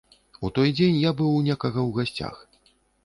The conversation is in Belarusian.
У той дзень я быў у некага ў гасцях.